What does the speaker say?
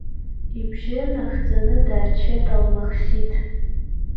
Ибжьы ныхҵаны дааччеит Алмахсиҭ.